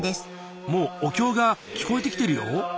もうお経が聞こえてきてるよ。